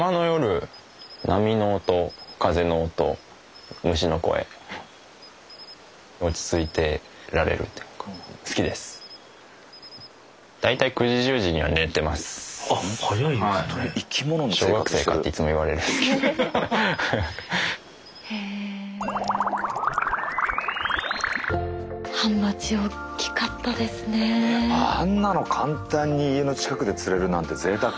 あんなの簡単に家の近くで釣れるなんてぜいたく。